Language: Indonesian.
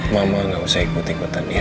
mama gak usah ikut ikutan dia